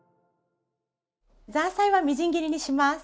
ザーサイはみじん切りにします。